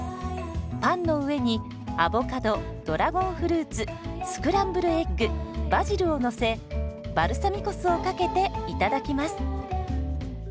パンの上にアボカドドラゴンフルーツスクランブルエッグバジルをのせバルサミコ酢をかけていただきます。